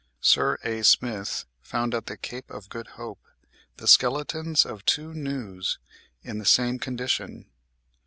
Sir A. Smith found at the Cape of Good Hope the skeletons of two gnus in the same condition.)